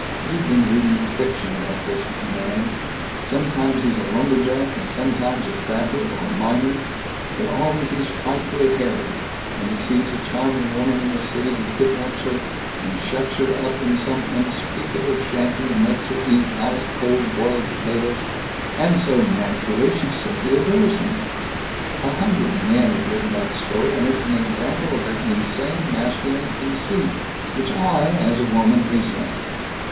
You have been reading fiction, about this man sometimes he's a lumberjack, and sometimes a trapper or a miner, but always he's frightfully hairy and he sees a charming woman in the city, and kidnaps her, and shuts her up in some unspeakable shanty, and makes her eat nice cold boiled potatoes, and so naturally, she simply adores him! A hundred men have written that story, and it's an example of their insane masculine conceit, which I, as a woman, resent.